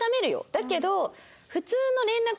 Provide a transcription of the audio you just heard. だけど。